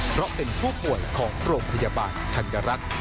เพราะเป็นผู้ป่วยของโรงพยาบาลธัญรักษ์